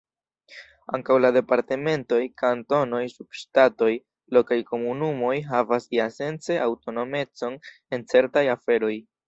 Ankaŭ la departementoj, kantonoj, subŝtatoj, lokaj komunumoj havas iasence aŭtonomecon en certaj aferoj.